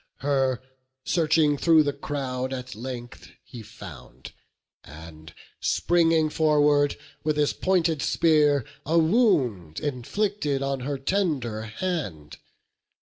Her, searching thro' the crowd, at length he found, And springing forward, with his pointed spear A wound inflicted on her tender hand.